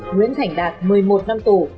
nguyễn thành đạt một mươi một năm tù